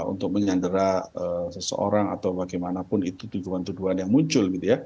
untuk menyandera seseorang atau bagaimanapun itu tuduhan tuduhan yang muncul